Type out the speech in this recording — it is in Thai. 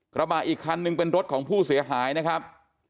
กระบะอีกคันนึงเป็นรถของผู้เสียหายนะครับ